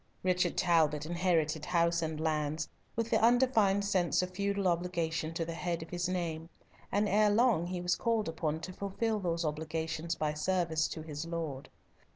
Richard Talbot inherited house and lands, with the undefined sense of feudal obligation to the head of his name, and ere long he was called upon to fulfil those obligations by service to his lord.